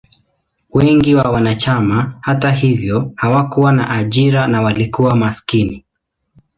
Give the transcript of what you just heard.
Wengi wa wanachama, hata hivyo, hawakuwa na ajira na walikuwa maskini.